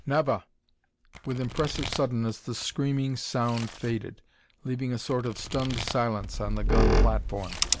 "Nava!" With impressive suddenness the screaming sound faded, leaving a sort of stunned silence on the gun platform.